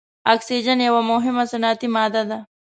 اکسیجن یوه مهمه صنعتي ماده ده.